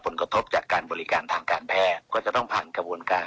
ผลกระทบจากการบริการทางการแพทย์ก็จะต้องผ่านกระบวนการ